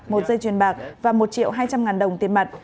một dây chuyền bạc và một triệu hai trăm linh ngàn đồng tiền mặt